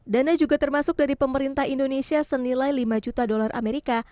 dana juga termasuk dari pemerintah indonesia senilai lima juta dolar amerika